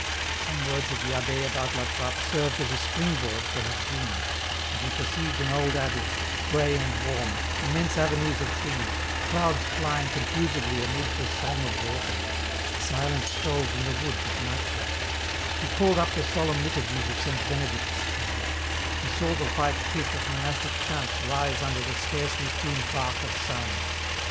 Some words of the abbd about La Trappe served as a spring board for his dreams, and he perceived an old abbey, grey and warm, immense avenues of trees, clouds flying confusedly amid the song of waters, silent strolls in the woods at nightfall ; he called up the solemn liturgies of Saint Benedict's time ; he saw the white pith of monastic chants rise under the scarcely pruned bark of sound.